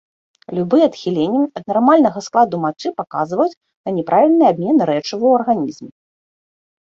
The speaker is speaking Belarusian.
Любыя адхіленні ад нармальнага складу мачы паказваюць на няправільны абмен рэчываў у арганізме.